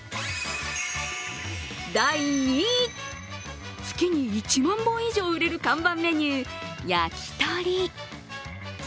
第２位、月に１万本以上売れる看板メニュー、焼きとり。